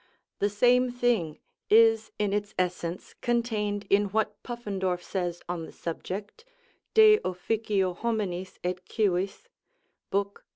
The same thing is in its essence contained in what Puffendorf says on the subject, "De Officio Hominis et Civis" (Bk.